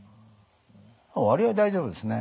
割合大丈夫ですね。